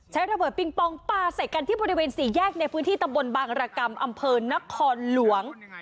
ระเบิดปิงปองปลาใส่กันที่บริเวณสี่แยกในพื้นที่ตำบลบางรกรรมอำเภอนครหลวง